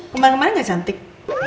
kemarin kemarin gak cantik